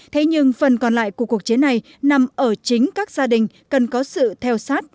thế nhưng phần còn lại của cuộc chiến này nằm ở chính các gia đình cần có sự theo sát